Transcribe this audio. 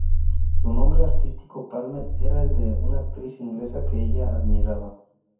Su nombre artístico, Palmer, era el de una actriz inglesa que ella admiraba.